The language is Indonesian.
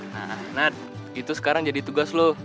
nah anak itu sekarang jadi tugas lo